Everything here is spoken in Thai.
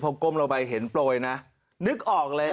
พอก้มเราไปเห็นปล่อยนะนึกออกเลย